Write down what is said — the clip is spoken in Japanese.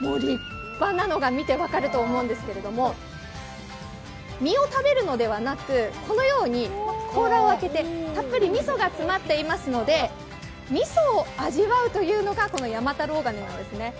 もう立派なのが見て分かると思うんですけど身を食べるのではなく、甲羅を開けてたっぷりみそが詰まっていますので、みそを味わうというのが、この山太郎ガネなんですね。